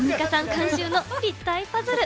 監修の立体パズル。